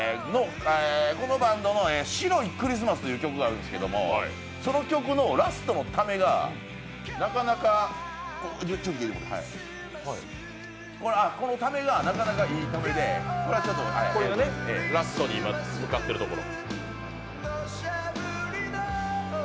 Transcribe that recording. このバンドの「白いクリスマス」という曲があるんですけど、その曲のラストのためがなかなかいいためで、ラストに今、向かってるところ。